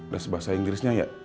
les bahasa inggrisnya ya